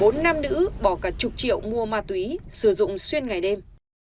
các nữ bỏ cả chục triệu mua ma túy sử dụng xuyên ngày đêm